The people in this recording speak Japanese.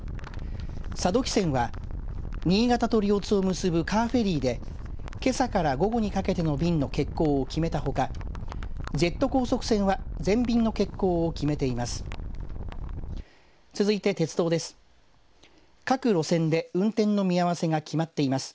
佐渡汽船は新潟と両津を結ぶカーフェリーでけさから午後にかけての便の欠航を決めたほかジェット高速船は全便の欠航を決めています。